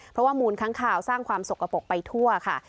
เพราะว่ามูลค้างคาวสร้างความสกปรกไปทั่วค่ะ